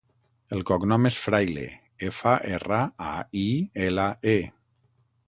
El cognom és Fraile: efa, erra, a, i, ela, e.